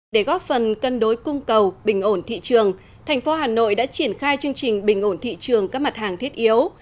để góp phần cân đối cung cầu bình ổn thị trường thành phố hà nội đã triển khai chương trình bình ổn thị trường các mặt hàng thiết yếu